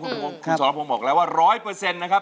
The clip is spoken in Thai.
คุณสรพงศ์บอกแล้วว่า๑๐๐นะครับ